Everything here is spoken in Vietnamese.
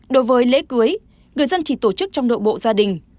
đối với lễ cưới người dân chỉ tổ chức trong nội bộ gia đình